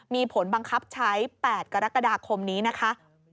มีผลบังคับใช้๘กรกฎาคมนี้นะคะ